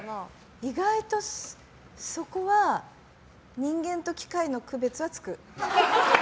意外とそこは人間と機械の区別はつく。